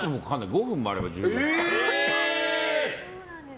５分もあれば十分。